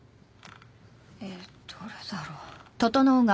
えっどれだろう。